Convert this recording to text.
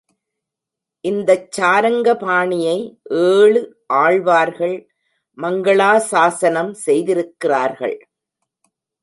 இந்தச் சாரங்கபாணியை ஏழு ஆழ்வார்கள் மங்களா சாஸனம் செய்திருக்கிறார்கள்.